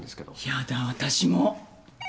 やだ私も。